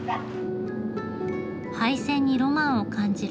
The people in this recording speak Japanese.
廃線にロマンを感じる六角さん。